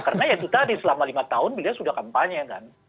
karena itu tadi selama lima tahun beliau sudah kampanye kan